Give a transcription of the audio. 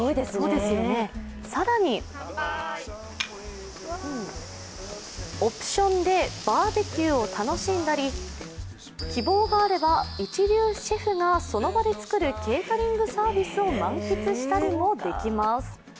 更に、オプションでバーベキューを楽しんだり希望があれば、一流シェフがその場で作るケータリングサービスを満喫したりもできます。